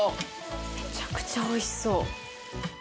めちゃくちゃ美味しそう。